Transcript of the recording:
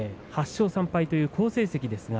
８勝３敗と好成績です。